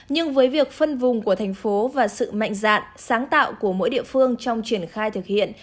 nhưng với việc phân vùng của thành phố và sự mạnh dạn sáng tạo của mỗi địa phương trong triển khai thực hiện